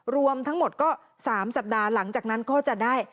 รวมทั้งหมดก็๓สัปดาห์หลังจากนั้นก็จะได้